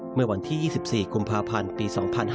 เมื่อวันที่๒๔กุมภาพันธ์ปี๒๕๕๙